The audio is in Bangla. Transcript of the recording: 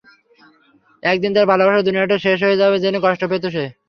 একদিন তার ভালোবাসার দুনিয়াটা শেষ হয়ে যাবে জেনে কষ্ট পেত সে।